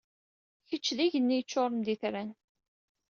Kečč d igenni yeččuṛen d itran.